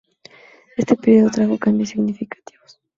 Este período trajo cambios significativos.